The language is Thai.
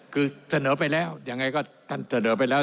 คือเสนอไปแล้วยังไงก็ท่านเสนอไปแล้ว